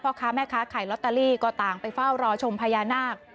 ค้าแม่ค้าขายลอตเตอรี่ก็ต่างไปเฝ้ารอชมพญานาค